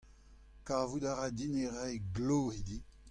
Kavout a ra din e raio glav hiziv.